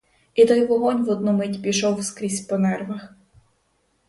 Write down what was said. І той вогонь в одну мить пішов скрізь по нервах.